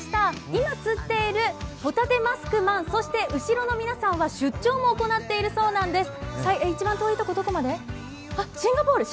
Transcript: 今釣っているホタテマスクマンそして後ろの皆さんは、出張も行っているそうです。